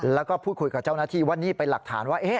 แล้วก็พูดคุยกับเจ้าหน้าที่ว่านี่เป็นหลักฐานว่า